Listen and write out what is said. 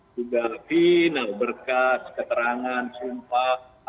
juga final berkas keterangan sumpah